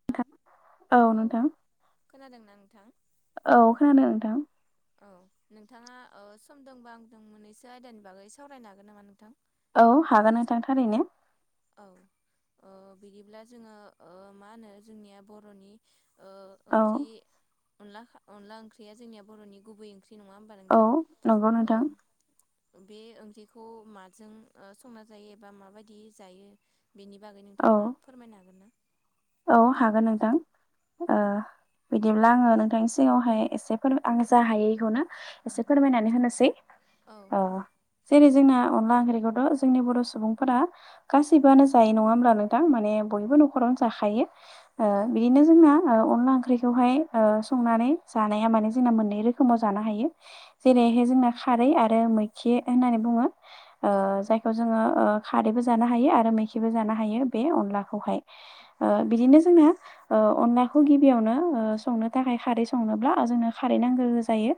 नोंथां औ खोनादोंना नोंथां औ खोनादों नोंथां औ नोंथाङा समदोंबा आंदों मोननैसो आयदानि बागै सावरायनो हागोन नामा नोंथां औ हागोन नोंथां थारैनो औ बिदिब्ला जोङो मा होनो जोंनिया बर'नि औ ओंख्रि अन अनला ओंख्रिया जोंनिया बर'नि गुबै ओंख्रि नङा होमबा औ नोंथां नंगौ नोंथां बे ओंख्रिखौ माजों संना जायो एबा माबायदि जायो बेनि बागै औ नोंथाङा फोरमायनो हागोन ना औ हागोन नोंथां बिदिब्ला आङो नोंथांनि सिगावहाय एसे फोर आं जा हायो बेखौनो एसे फोरमायनानै होनोसै औ जेरै जोंना अनला ओंख्रिखौथ' जोंनि बर' सुबुंफोरा गासैबोआनो जायो नङा होमब्ला नोंथां माने बयबो न'रावनो थायो औ बिदिनो जोंना अनला ओंख्रिखौहाय संनानै जानाया माने जोंना मोननै रोखोमाव जानो हायो औ जेरैहाय जोंना खारै आरो मैखि होननानै बुङो औ जाय बेखौ जोङो खारैबो जानो हायो आरो मैखिबो जानो हायो बे अनलाखौहाय औ बिदिनो जोंना अनलाखौ गिबियावनो संनो थाखाय खारै संनोब्ला जोंनो खारै नांगौ जायो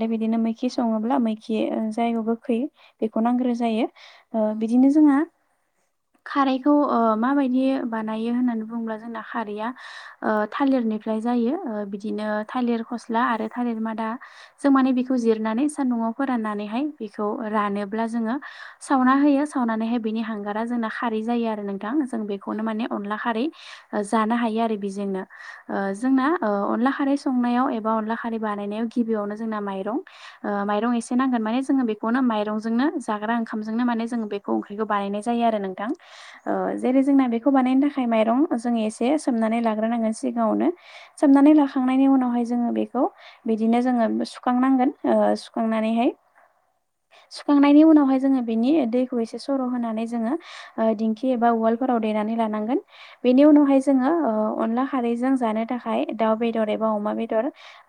औ बिदिनो मैखि सङोब्ला मैखि जायगायाव गोखै बेखौ नांग्रोगो जायो बिदिनो जोंहा खारैखौ माबायदि बानाय रो होननानै बुङोब्ला जोंना खारैया थालिरनिफ्राय जायो बिदिनो फस्ला आरो थालिर मादा जों माने बेखौ जिरनानै सान्दुंआव फोराननानैहाय बेखौ रानोब्ला जोङो सावना होयो सावनानैहाय बिनि हांगारा जोंना खारै जायो आरो नोंथां। जों बेखौनो माने औ अनला खारै ओ जानो हायो आरो बेजोंनो। ओ जोंना ओ अनला खारै संनायाव एबा अनला खारै बानायनायाव गिबियावनो जोंना माइरं ओ माइरं एसे नांगोन। माने जोङो बेखौनो माइरंजोंनो जाग्रा ओंखामजोंनो माने जों बे खौ ओंख्रिखौ बानायनाय जायो आरो नोंथां। ओ जेरै जोंना बेखौ बानायनो थाखाय माइरं जों एसे सोमनानै लाग्रोनांगोन सिगाङावनो। सोबनानै लाखांनायनि उनावहाय जोङो बेखौ बिदिनो जोङो सुखांनांगोन ओ सुखांनानैहाय सुखांनायनि उनावहाय जोङो बिनि दैखौ एसे सर' होनानै जोङो ओ दिंखि एबा उवालफोराव देनानै लानांगोन। बेनि उनावहाय जोङो ओ अनला खारैजों जानो थाखाय दाउ बेदर एबा अमा बेदर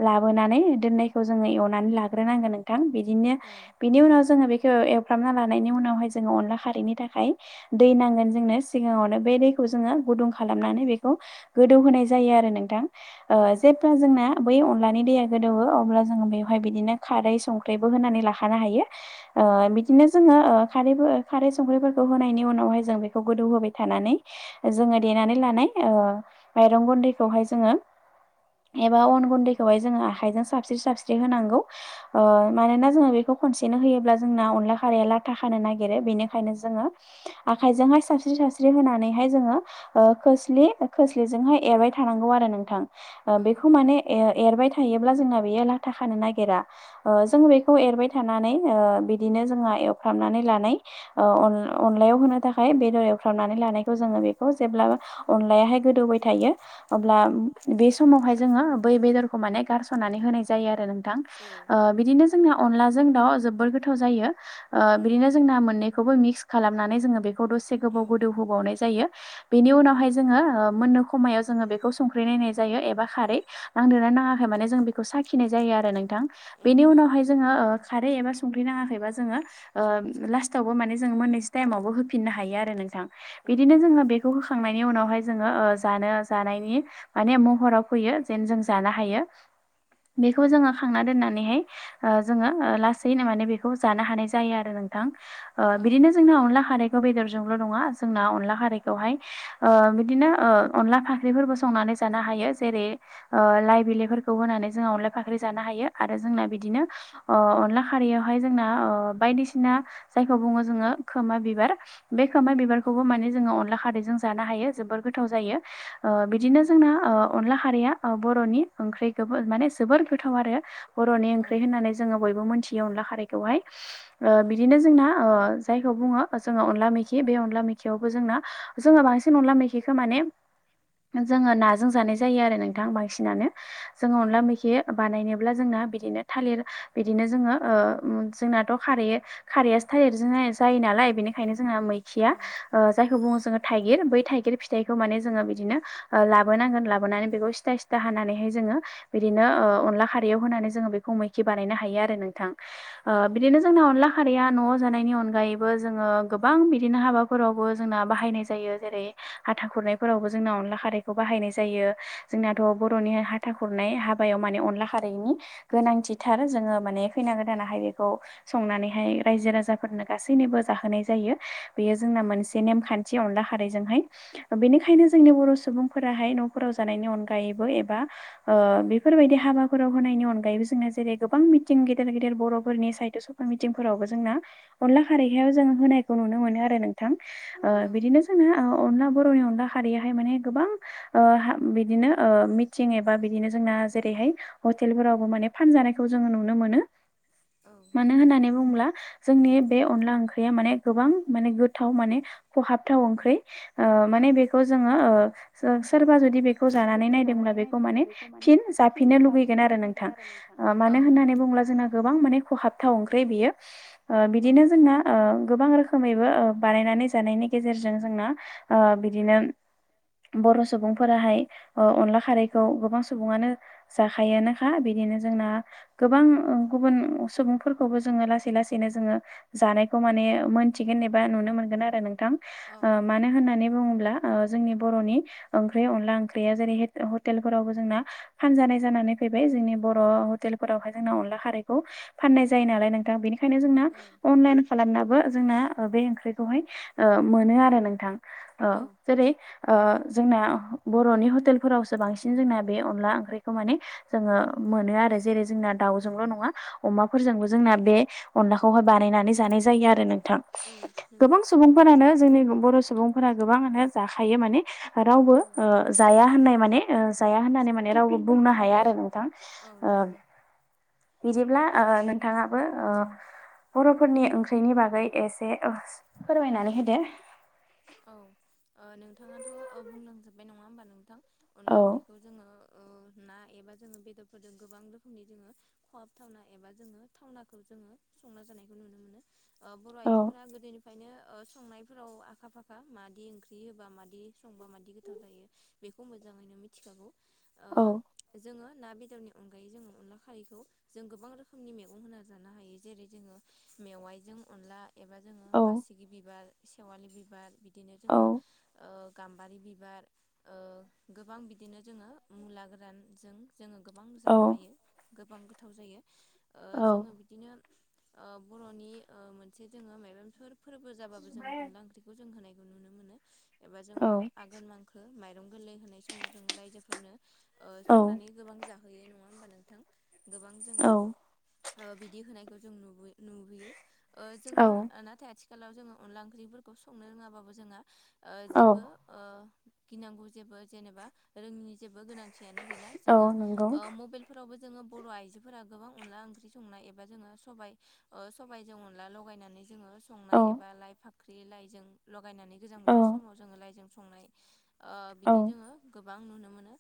लाबोनानै दोननायखौ जोङो एवनानै लाग्रोनांगोन नोंथां बिदिनो औ बिनि उनाव जोङो बे ओ एवफ्रामना लानायनि उनावहाय जोङो अनला खारैनि थाखाय दै नांगोन जोंनो। सिगाङावनो बे दैखौ जोङो गुदुं खालामनानै बेखौ गोदौ होनाय जायो आरो नोंथां। ओ जे बा जोंना बै अनलानि दैया गोदौवो अब्ला जोङो बेवहाय बिदिनो खारै संख्रैबो होनानै लाखानो हायो। औ ओ बिदिनो जोङो ओ खारै बो खारै संख्रैफोरखौ होनायनि उनावहाय जों बेखौ गोदौ होबाय थानानै जोङो देनानै लानाय ओ माइरं गुन्दैखौहाय जोङो एबा अन गुन्दैखौहाय जोङो आखाइजों साबस्रि साबस्रि होनांगौ। औ मानोना जोङो बेखौ खनसेनो होयोब्ला जोंना अनला खारैया लाथा खानो नागिरो। बेनिखायनो जोङो आखाइजोंहाय सास्रि सास्रि होनानैहाय जोङो ओ खोस्लि खोस्लिजोंहाय एरबाय थानांगौ आरो नोंथां। ओ बेखौ माने ए-एरबाय थायोब्ला जोंना बेयो लाथा खानो नागिरा। ओ जोङो बेखौ एरबाय थानानै ओ बिदिनो जोंहा एवफ्रामनानै लानाय ओ अन-अनलायाव होनो थाखाय बेदर एवफ्रामनानै लानायखौ जोङो बेखौ जेब्ला अनलायाहाय गोदौबाय थायो। अब्ला बे समावहाय जोङो बै बेदरखौ माने गारस'नानै होनाय जायो आरो नोंथां। औ ओ बिदिनो जोंना अनलाजों दाउ जोबोर गोथाव जायो। ओ बिदिनो जोंना मोन्नै खौबो मिक्स खालामनानै जोङो बेखौ दसे गोबाव गोदौ होबावनाय जायो। बेनि उनावहाय जोङो ओ मोननो खमायाव जोङो बेखौ संख्रि नायनाय जायो एबा खारै। नांदोना नाङाखै माने जों बिखौ साखिनाय जायो आरो नोंथां। बेनि उनावहाय जोङो ओ खारै एबा संख्रि नाङाखैबा जोङो ओ लास्टावबो माने जों मोन्नोसै टाइमावबो होफिननो हायो आ रो नोंथां। बिदिनो जोङो बेखौ होखांनायनि उनावहाय जोङो ओ जानो जानायनि माने महराव फैयो जेन जों जानो हायो। बिखौ जोङो खांना दोननानैहाय ओ जोङो ओ लासैनो माने बेखौ जानो हानाय जायो आरो नोंथां। ओ बिदिनो जोंना अनला खारैखौ बेदरजोंल' नङा जोंना अनला खारैखौहाय ओ बिदिनो ओ अनला फाख्रिफोरबो संनानै जानो हायो। जेरै ओ लाइ बिलाइफोरखौ होनानै जोंआ अनलाय फाख्रि जानो हायो आरो जोंना बिदिनो अ अनला खारैयावहाय जोंना अ बायदिसिना जायखौ बुङो जोङो खोमा बिबार। बे खोमा बिबारखौबो माने जोङो अनला खारैजों जानो हायो जोबोर गोथाव जायो। ओ बिदिनो जोंना ओ अनला खारैया ओ बर'नि ओंख्रिखोबो माने जोबोर गोथाव आरो। बर'नि ओंख्रै होननानै जोङो बयबो मोनथियो अनला खारैखौहाय। ओ बिदिनो जोंना ओ जायखौ बुङो जोङो अनला मै खि बे अनला मैखियावबो जोंना जोङो बांसिन अनला मैखिखौ माने जोङो नाजों जानाय जायो आरो नोंथां बांसिनानो। जोङो अनला मैखि बानायनोब्ला जोंना बिदिनो थालिर बिदिनो जोङो ओ उम जोंनाथ' खारै खारैयासो थायेरजों आय जायो नालाय बेनिखायनो जोंहा मै खिया औ जायखौ बुङो जोङो थाइगिर बै थाइगिर फिथाइखौ माने जोङो बिदिनो लाबोनांगोन लाबोनानै बेखौ सिथा सिथा हानानैहाय जोङो बिदिनो अनला खारैयाव होनानै जोङो बेखौ मैखि बानायनो हायो आरो नोंथां बिदिनो औ जोंना अनला हारिया न'आव जानायनि अनगायैबो जोङो गोबां बि बिदिनो हाबाफोरावबो जोंना बाहायनाय जायो जेरै हाथा खुरनायफोरावबो जोंना अनला खारैखौ बाहायनाय जायो जोंनाथ' बर'नि हाथा खुरनाय हाबायाव माने अनला खारैनि गोनांथिथार जोङो माने फैना गोदानाहाय बेखौ संनानैहाय रायजो राजाफोरनो गासैनिबो जाहोनाय जायो बेयो जोंना मोनसे नेमखान्थि अनला खारैजोंहाय बेनिखायनो जोंनि बर' सुबुंफोराहाय न'फोराव जानायनि अनगायैबो एबा बेफोरबायदि हाबाफोराव होनायनि अनगायैबो जोंना जेरै गोबां मिथिं गेदेर गेदेर बर'फोरनि सायद स मिथिंफोरावबो जोंना अनला खारैखायाव जों होनायखौ नुनो मोनो आरो नोंथां बिदिनो जोंना अनला बर'नि अनला हारियाहाय माने गोबां बिदिनो मिथिं एबा बिदिनो जोंना जेरैहाय हटेलफोरावबो माने फानजानायखौ जोङो नुनो मोनो मानो होननानै बुङोब्ला जोंनि बे अनला ओंख्रिया माने गोबां माने गोथाव माने खहाबथाव ओंख्रि माने बेखौ जों सोरबा जुदि बे जानानै नायदोंब्ला बे माने फि जाफिननो लुबैगोन आरो नोंथां मानो होननानै बुङोब्ला जोंना गोबां माने खहाबथाव ओंख्रि बियो बिदिनो औ जोंना गोबां रो खोमैबो बानायनानै जानायनि गेजेरजों जोंना ओ बिदिनो बर' सुबुंफोराहाय अनला खारैखौ गोबां सुबुङानो जाखायोनोखा बिदिनो जोंना गोबां गुबुन सुबुंफोरखौबो जोङो लासै लासैनो जोङो जानायखौ माने मोन मिथिगोन एबा नुनो मोनगोन आरो नोंथां औ मानो नंगौ होननानै बुङोब्ला जोंनि बर'नि ओंख्रि अनला ओंख्रिया जेरै हटेलफोरावबो जोंना फानजानाय जानानै फैबाय जोंनि बर' हटेलफोरावहाय जोंना अनला खारैखौ फाननाय जायो औ नालाय नोंथां बेनिखायनो जोंना औ अनलाइन खालामनाबो जोंना बे ओंख्रिखौहाय मोनो आरो नोंथां औ जेरै ओ जोंना बर'नि हटेलफोरावसो बांसिन जोंना बे अनला ओंख्रिखौ माने जोङो मोनो आरो जेरै जोंना दाउजोंल' नङा अमाफोरजोंबो जोंना बे अनलाखौहाय बानायनानै जानाय जायो आरो नोंथां औ नंगौ गोबां सुबुंफोरानो जोंनि बर' सुबुंफोरा गोबाङानो जाखायो माने रावबो औ जाया होननाय माने जाया होननानै माने रावबो बुंनो हाया आरो औ ओ नंगौ बिदिब्ला ओ औ नोंथाङाबो बर'फोरनि ओंख्रिनि बागै एस दे फोरमायनानै होदो औ ओ नोंथाङाथ' बुंलांजोबबाय नङा होमबा नोंथां अनला औ ओंख्रि जोङो ना एबा जोङो बेदरफोरजों गोबां रोखोमनि जोङो खहाब थावना एबा जोङो थावनाखौ जोङो संना जानायखौ नुनो मोनो बर' औ आइजोफोरा गोदोनिफ्रायनो संनायफोराव आखा फाखा खा माबादि ओंख्रि होबा माबादि संबा मादि गोथाव जायो बेखौ मोजाङैनो मिथिखागौ औ जोङो ना बेदरनि अनगायै जोङो अनला खारैखौ जों गोबां रोखोमनि मैगं होना जानो हायो जेरै जोङो मेवाइजों अनला एबा जोङो औ बासिगि बिबार सेवालि बिबार बिदिनो जोङो औ गाम्बारि बिबार गोबां बिदिनो जोङो मुला गोरानजों जोङो गोबां जानो औ हायो गोबां गोथाव जायो औ जोङो बिदिनो ओ बर'नि मोनसे जोङो माइबंफोर फोरबो जाबाबो जोङो अनला ओंख्रि जों होनायखौ नुनो मोनो एबा औ जोङो [unintelligible] माइरं गोरलै होनाय समाव जोङो रायफोरनो ओ संनानै गोबां जा होयो नङा होमबा नोंथां गोबां जोङो। औ ओ बिदि होनायखौ जों नुबो नुबोयो ओ जोङो औ नाथाय आथिखा आथिखालाव जोङो अनला ओंख्रिफोरखौ संनो रोङाबाबो जोंहा औ जेबो ओ गिनांगौ जेबो जेनेबा रोंनि जेबो गोनांथि थियानो‌ गैला औ जोङो नंगौ ओ मबाइल फोरावबो जोङो बर' आइजोफोरा गोबां अनला ओंख्रि संनाय एबा जोङो सबाय ओ सबबायजों अनला लगायनानै जोङो औ संनाय एबा लाइ फाख्रि लाइजों गायनानै गोजां औ बोथोर समाव जोङो लाइजों संनाय ओ औ बिदि जोङो गोबां नुनो मोनो।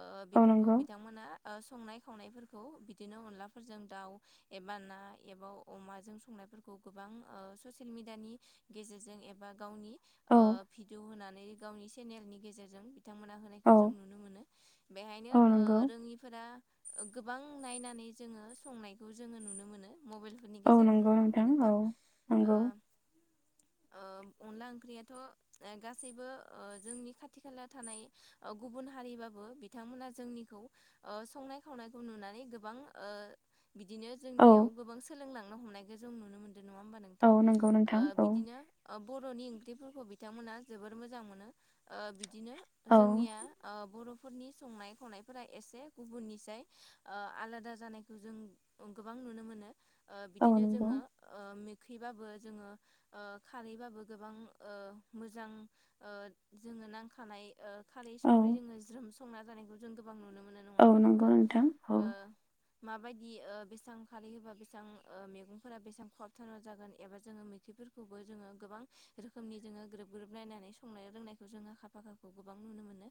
ओ औ बेफोरखौ नंगौ बिथांमोना ओ संनाय खावनायफोरखौ बिदिनो अनलाफोरजों दाउ एबा ना एबा अमाजों संनायफोरखौ गोबां ओ ससियेल मिेडियानि गेजेरजों एबा गावनि औ ओ भिडिअ होनानै गावनि चेनेलनि गेजेरजों बिथांमोना औ हो जों नुनो मोनो बेहायनो औ नंगौ ओ रोङिफोरा गोबां नायनानै जोङो संनायखौ जोङो नुनो मोनो मबाइलफोरनि औ गेजेरावनो नंगौ नङा होमबा औ नोंथां नंगौ ओ ओ अनला ओंख्रियाथ' ओ गासैबो ओ जोंनि खाथि खाला थानाय ओ गुबुन हारिबाबो बिथांमोना जोंनिखौ ओ संनाय खावनायखौ नुनानै गोबां ओ बिदिनो औ जोंनियाव गोबां सोलोंलांनो हमनायखौ जों नुनो मोनदों नङा होमबानो नों औ नोंथां नंगौ नोंथां ओ औ बिदिनो ओ बर'नि ओंख्रिफोरखौ बिथांमोना जोबोर मोजां मोनो ओ बिदिनो औ जोंनिया ओ बर'फोरनि संनाय खावनायफोरा एसे गुबुननिसाय ओ आलादा जानायखौ जों ओ गोबां नुनो मोनो ओ औ बिदिनो नंगौ जोङो ओ मोखैबाबो जोङो खारैबाबो गोबां ओ मोजां ओ जोङो नांखानाय ओ खारै औ संख्रि जोङो ज्रोम संना जानायखौ जों गोबां नुनो मोनो। नङा औ होमबा नंगौ नोंथां औ ओ माबायदि ओ बेसां खारै होबा बेसां ओ मैगंफोरा बेसां खहाबथारा जागोन एबा जोङो मै बेफोरखौबो जोङो गोबां रोखोमनि जोङो ग्रोब ग्रोब नायनानै संनाय रोंनायखौ जोङो आखा फाखाखौ गोबां नुनो मोनो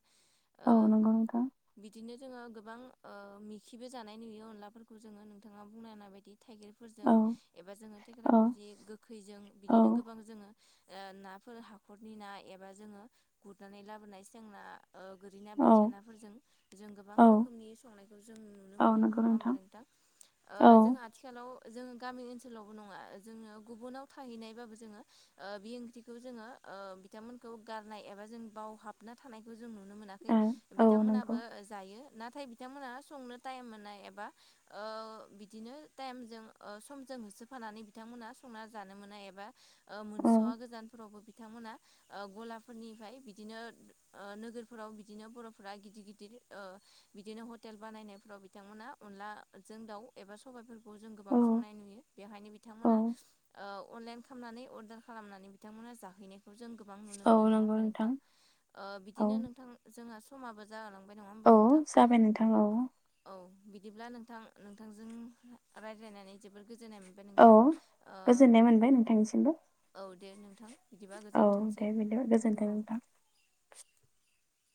ओ औ नंगौ नोंथां बिदिनो जोङो गोबां मिखिबो जानाय नुयो अनलाफोरखौ जोङो नोंथाङा बुंनो हानाय बायदि थाइगिर औ फोरजों एबा जोङो थेख्रा औ फुजि गोखैजों औ बिदिनो गोबां जोङो ओ नाफोर हाखरनि ना एबा जोङो गुरनानै लाबोनाय सें ना ओ गोरैनाा औ बोथिया नाफोरजों जों गोबां औ रोखोमनि संनायखौ जों नुनो औ मोनो नंगौ नङा होमबा नोंथां ओ औ जोंहा आथिखालाव जोङो गामि ओनसोलावबो नङा जोङो गुबुनाव थाहैनायबाबो जोङो ओ बि ओंख्रिखौ जोङो बिथांमोनखौ गारनाय एबा जों बावहाब ना थानायखौ जों नुनो मोनाखै औ नंगौ बिथांमोनाबो जायो नाथाय बिथांमोनहा संनो टाइम मोननाय एबा ओ बिदिनो टाइमजों ओ समजों होसोफानानै बिथांमोना संना जानो मोना एबा ओ औ मोनस'वा गोजानफोरावबो बिथांमोना ओ गलाफोरनिफ्राय बिदिनो ओ नोगोरफोराव बिदिनो बर'फोरा गिदिर गिदिर ओ बिदिनो हटेल बानायनायफ्राव बिथांमोना अनलाजों दाउ एबा सबायाइफोरखौ खौ जों गोबां संनाय नुयो बेवहायनो औ बिथांमोना ओ अनलाइन खालामनानै अर्डार खालामनानै बिथांमोना जाहैनायखौ जों गोबां नुनो औ मोनो नङा नंगौ होमबा नोंथां ओ औ बिदिनो नोंथां जोंहा समाबो जाहोहोलांबाय नङा होमबा औ नोंथां जाबाय नोंथां औ औ बिदिब्ला नोंथां नोंथांजों रायज्लायनानै जोबोर गोजोननाय मोनबाय औ नोंथां गोजोननाय मोनबाय नोंथांनिसिमबो औ दे नोंथां बिदिबा औ गोजोनथोंसै दे बिदिबा गोजोनथों औ नोंथां।